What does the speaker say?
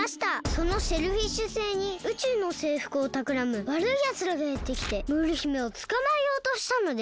そのシェルフィッシュ星に宇宙のせいふくをたくらむわるいやつらがやってきてムール姫をつかまえようとしたのです。